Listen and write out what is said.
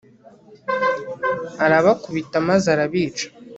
arabakubita maze arabica